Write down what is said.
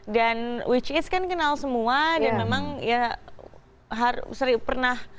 dan which is kan kenal semua dan memang ya sering pernah